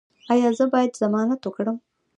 ایا زه باید ضمانت وکړم؟